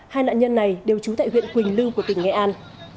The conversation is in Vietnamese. hai nạn nhân này đều trú tại huyện quỳnh lưu của tỉnh nghệ an